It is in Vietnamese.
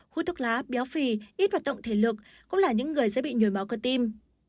hút thuốc lá béo phì ít hoạt động thể lực cũng là những người dễ bị nhồi máu cơ tim